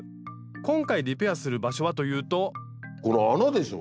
今回リペアする場所はというとこの穴でしょ。